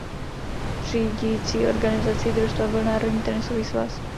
Řídící organizací družstva byl národní tenisový svaz.